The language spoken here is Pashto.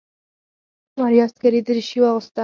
ماريا عسکري دريشي واخيسته.